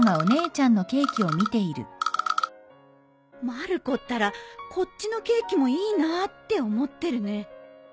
まる子ったらこっちのケーキもいいなって思ってるね